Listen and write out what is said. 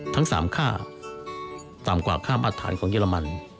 ทั้ง๓ค่าต่ำกว่าค่ามาตรฐานของเยอรมัน